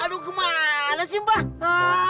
aduh kemana sini mbak